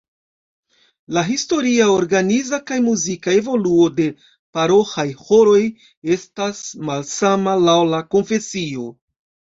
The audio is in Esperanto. La historia, organiza kaj muzika evoluo de paroĥaj ĥoroj estas malsama laŭ la konfesio.